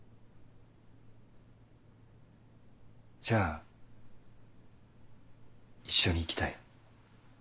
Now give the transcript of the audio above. じゃあ一緒に行きたい。